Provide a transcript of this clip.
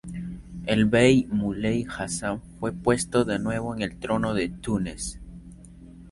El Bey Muley Hasan fue puesto de nuevo en el trono de Túnez.